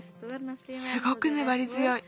すごくねばりづよい。